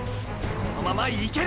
このままいける！！